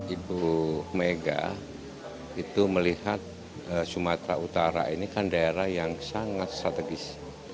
ibu mega itu melihat sumatera utara ini kan daerah yang sangat strategis